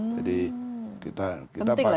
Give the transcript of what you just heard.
jadi kita pakai